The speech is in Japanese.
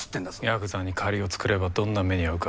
ヤクザに借りを作ればどんな目に遭うか。